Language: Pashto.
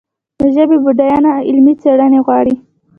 د ژبې بډاینه علمي څېړنې غواړي.